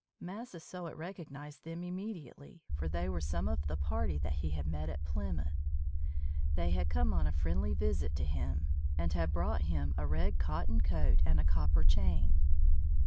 Massasoit recognized them immediately, for they were some of the party that he had met at Plymouth. They had come on a friendly visit to him, and had brought him a red cotton coat and a copper chain.